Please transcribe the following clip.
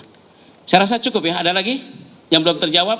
saya rasa cukup ya ada lagi yang belum terjawab